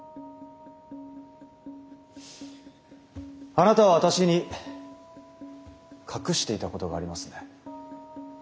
あなたは私に隠していたことがありますね？